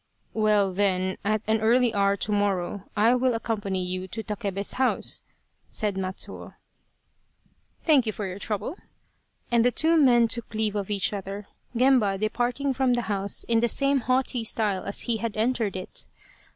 " Well, then at an early hour to morrow I will ac company you to Takebe's house," said Matsuo. " Thank you for your trouble," and the two men took leave of each other, Gemba departing from the house in the same haughty style as he had entered it.